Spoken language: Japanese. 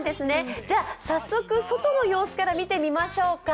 早速外の様子から見てみましょうか。